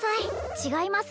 違います